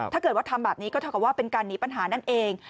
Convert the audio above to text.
ถ้าเกิดว่าทำแบบนี้ก็เท่ากับว่าเป็นการหนีปัญหานั่นเอง